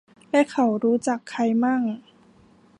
และเขารู้จักใครมั่ง